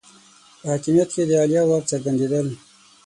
په حاکمیت کې د عالیه واک څرګندېدل